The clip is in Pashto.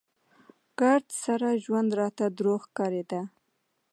ګرد سره ژوند راته دروغ ښکارېده.